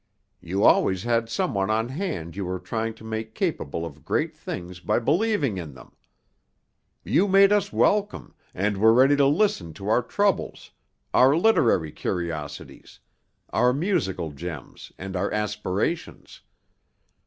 You always had some one on hand you were trying to make capable of great things by believing in them. You made us welcome, and were ready to listen to our troubles, our literary curiosities, our musical gems and our aspirations.